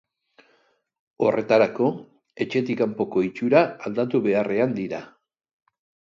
Horretarako, etxetik kanpoko itxura aldatu beharrean dira.